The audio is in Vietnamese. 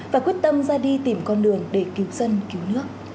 và quyết tâm ra đi tìm con đường để cứu dân cứu nước